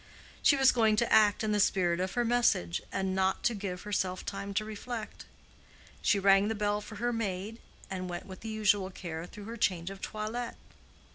She was going to act in the spirit of her message, and not to give herself time to reflect. She rang the bell for her maid, and went with the usual care through her change of toilet.